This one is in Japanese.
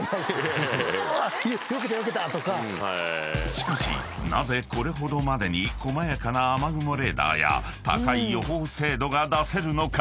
［しかしなぜこれほどまでに細やかな雨雲レーダーや高い予報精度が出せるのか？］